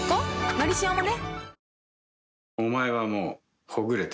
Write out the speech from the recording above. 「のりしお」もね